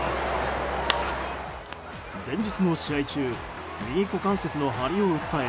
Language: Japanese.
前日の試合中右股関節の張りを訴え